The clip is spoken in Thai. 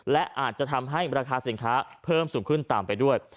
และอาจจะทำให้ราคาสินค้าเพิ่มสูงขึ้นตามไปด้วย